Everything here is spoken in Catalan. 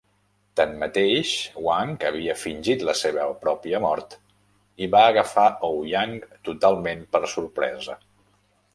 Tanmateix, Wang havia fingit la seva pròpia mort i va agafar Ouyang totalment per sorpresa.